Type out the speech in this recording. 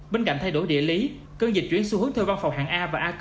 bên cạnh thay đổi địa lý cần dịch chuyển xu hướng theo văn phòng hạng a và a